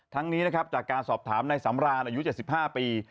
นี้นะครับจากการสอบถามในสำราญอายุ๗๕ปี